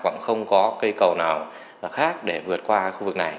hoặc không có cây cầu nào khác để vượt qua khu vực này